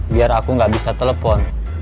biar aku nggak bisa telepon